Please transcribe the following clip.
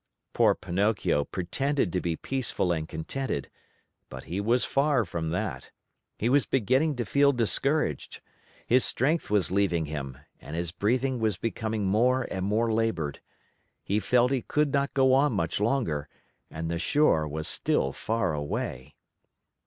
Poor Pinocchio pretended to be peaceful and contented, but he was far from that. He was beginning to feel discouraged, his strength was leaving him, and his breathing was becoming more and more labored. He felt he could not go on much longer, and the shore was still far away.